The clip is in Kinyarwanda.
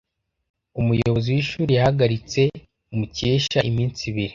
Umuyobozi w'ishuri yahagaritse Mukesha iminsi ibiri.